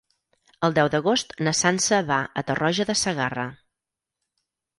El deu d'agost na Sança va a Tarroja de Segarra.